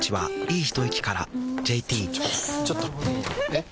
えっ⁉